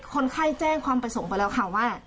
คนไข้แจ้งความประสงค์ไปแล้วค่ะว่า